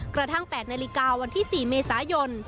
กระทั่ง๘นาฬิกาวันที่๔เมษายน